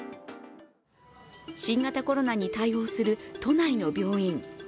新型コロナに対応する都内の病院。